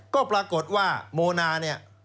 ก็ปรากฏว่าโมนาเนี่ย